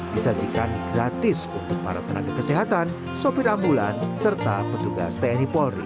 disajikan gratis untuk para tenaga kesehatan sopir ambulan serta petugas tni polri